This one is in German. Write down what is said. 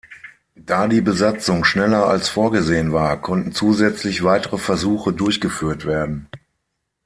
Da die Besatzung schneller als vorgesehen war, konnten zusätzlich weitere Versuche durchgeführt werden.